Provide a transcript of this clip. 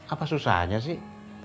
apa susahnya sih